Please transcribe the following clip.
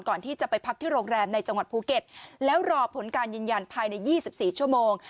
ก่อนที่จะไปพักที่โรงแรมในจังหวัดภูเก็ตแล้วรอผลการยืนยันภายใน๒๔ชั่วโมง